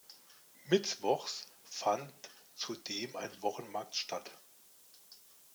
Mittwochs fand zudem ein Wochenmarkt statt.